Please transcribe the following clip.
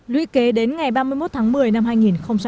luy kế đến ngày ba mươi một tháng một mươi năm